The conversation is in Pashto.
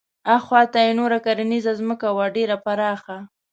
اخواته یې نوره کرنیزه ځمکه وه ډېره پراخه.